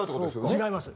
違います。